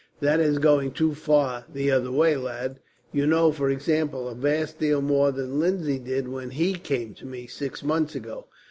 "That is going too far the other way, lad. You know, for example, a vast deal more than Lindsay did when he came to me, six months ago.